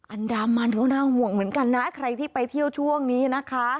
อันดามันก็น่าห่วงเหมือนกันนะใครที่ไปเที่ยวช่วงนี้นะคะ